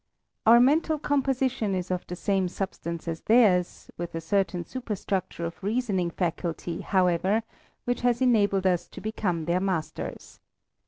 Our mental composition is of the same substance as theirs, with a certain superstructure of reasoning faculty, however, which has enabled us to become their masters.